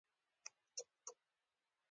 پښتو ژبه کي کاکړۍ غاړي هم سته.